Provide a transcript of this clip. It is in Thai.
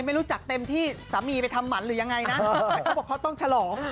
ไม่รู้จักเต็มที่สามีไปทำหมันหรือยังไงนะแต่เขาบอกเขาต้องฉลอง